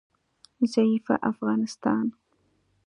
ضعیفه افغانستان